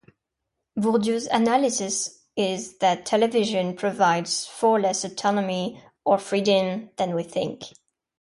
Bourdieu's analysis is that television provides far less autonomy, or freedom, than we think.